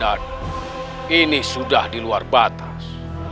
dan ini sudah di luar batas